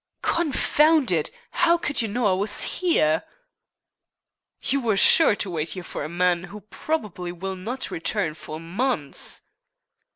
"Confound it, how could you know I was here?" "You were sure to wait here for a man who probably will not return for months."